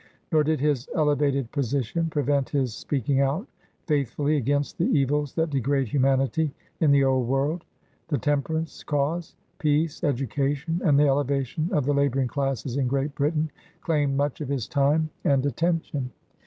Nor did his elevated position prevent his speaking out faithfully against the evils that degrade humanity in the old world. The temperance cause, peace, education, and the elevation of the laboring classes in Great Britain, claimed much of his time and attention.